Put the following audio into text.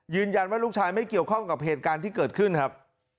ยืนยันว่าลูกชายไม่เกี่ยวข้องกับเหตุการณ์ที่เกิดขึ้นครับ